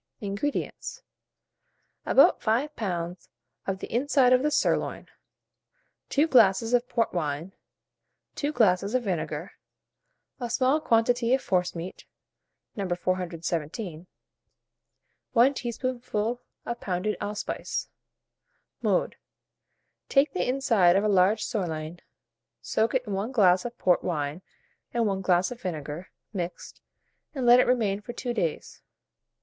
INGREDIENTS. About 5 lbs. of the inside of the sirloin, 2 glasses of port wine, 2 glasses of vinegar, a small quantity of forcemeat (No. 417), 1 teaspoonful of pounded allspice. Mode. Take the inside of a large sirloin, soak it in 1 glass of port wine and 1 glass of vinegar, mixed, and let it remain for 2 days.